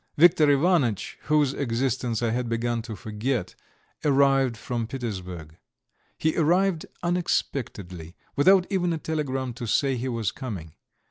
Viktor Ivanitch, whose existence I had begun to forget, arrived from Petersburg. He arrived unexpectedly, without even a telegram to say he was coming.